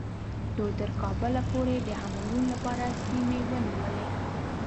دوی تر کابله پورې د همایون لپاره سیمې ونیولې.